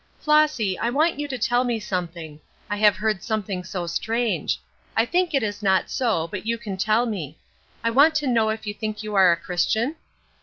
"Flossy, I want you to tell me something. I have heard something so strange; I think it is not so, but you can tell me. I want to know if you think you are a Christian?"